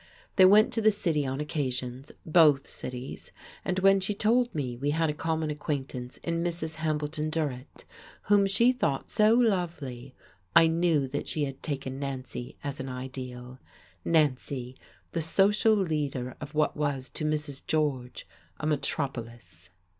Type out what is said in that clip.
They went to the city on occasions; both cities. And when she told me we had a common acquaintance in Mrs. Hambleton Durrett whom she thought so lovely! I knew that she had taken Nancy as an ideal: Nancy, the social leader of what was to Mrs. George a metropolis.